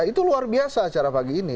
itu luar biasa acara pagi ini